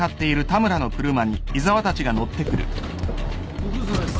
ご苦労さまです。